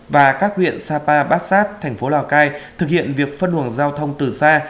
và các huyện sapa bát sát tp lào cai thực hiện việc phân hưởng giao thông từ xa